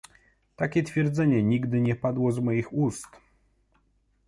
Takie twierdzenie nigdy nie padło z moich ust!